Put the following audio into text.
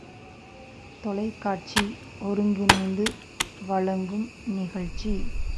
தொலைக்காட்சி ஒருங்கிணைந்து வழங்கும் நிகழ்ச்சி.